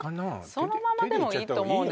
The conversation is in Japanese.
手でそのままでもいいと思うんです